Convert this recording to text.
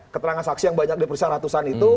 keterangan saksi yang banyak di perusahaan ratusan itu